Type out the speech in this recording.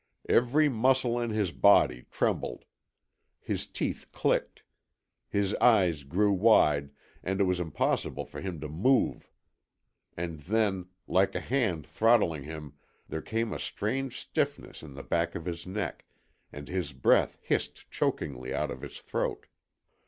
Every muscle in his body trembled. His teeth clicked. His eyes grew wide, and it was impossible for him to move. And then, like a hand throttling him, there came a strange stiffness in the back of his neck, and his breath hissed chokingly out of his throat.